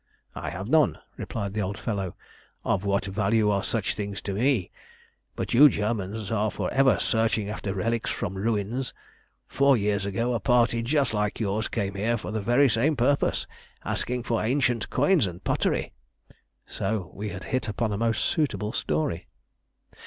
"I have none," replied the old fellow. "Of what value are such things to me? But you Germans are for ever searching after relics from ruins. Four years ago a party just like yours came here for the very same purpose, asking for ancient coins and pottery." So we had hit upon a most suitable story.